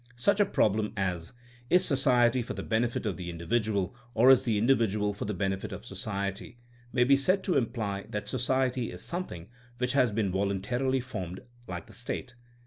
Such a prob lem as Is society for the benefit of the indi vidual or is the individual for the benefit of so ciety f may be said to imply that society is something which has been voluntarily formed like the State.